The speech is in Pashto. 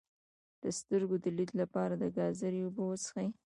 د سترګو د لید لپاره د ګازرې اوبه وڅښئ